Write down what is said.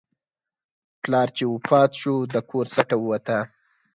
پلار چې وفات شو، د کور سټه ووته.